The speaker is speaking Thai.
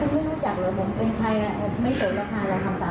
คุณไม่รู้จักหรือผมเป็นใครไม่เตรียมราคา